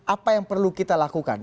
apa yang perlu kita lakukan